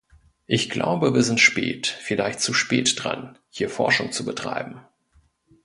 Ich glaube, wir sind spät, vielleicht zu spät dran, hier Forschung zu betreiben.